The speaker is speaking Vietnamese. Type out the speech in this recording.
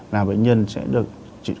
là bệnh nhân sẽ được